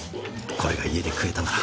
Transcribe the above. これが家で食えたなら。